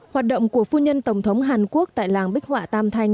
hoạt động của phu nhân tổng thống hàn quốc tại làng bích họa tam thanh